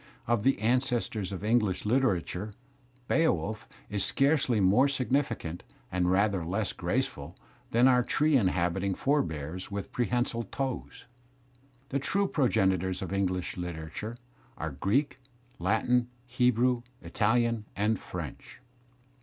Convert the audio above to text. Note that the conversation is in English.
Of the ancestors of English literature "Beowulf" is scarcely more significant, and rather less grace ful, than our tree inhabiting forebears with prehensile toes; the true progenitors of English literature are Greek, Latin, Hebrew, Italian, and French.